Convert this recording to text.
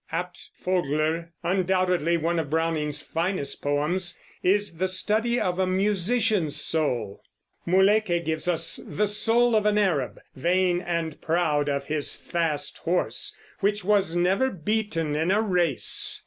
"Abt Vogler," undoubtedly one of Browning's finest poems, is the study of a musician's soul. "Muléykeh" gives us the soul of an Arab, vain and proud of his fast horse, which was never beaten in a race.